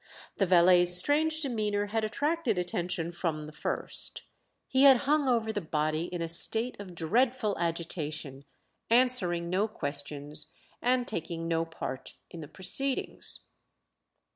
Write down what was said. The valet's strange demeanour had attracted attention from the first. He had hung over the body in a state of dreadful agitation, answering no questions, and taking no part in the proceedings.